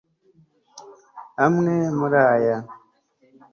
amwe muri aya